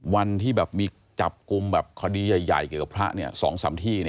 วันที่มีจับกลุ่มคดีใหญ่เกี่ยวกับพระสองสามที่